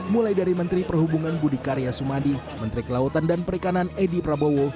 mulai dari menteri perhubungan budi karya sumadi menteri kelautan dan perikanan edi prabowo